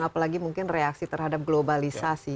apalagi mungkin reaksi terhadap globalisasi